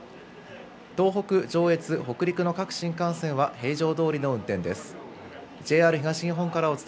東北、上越、北陸の各新幹線は平常どおりの運転です。